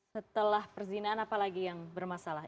setelah perzinaan apalagi yang bermasalah